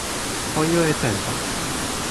o jo e tenpo.